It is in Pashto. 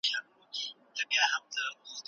پلټنه په ذهن کي نوي لاري جوړوي.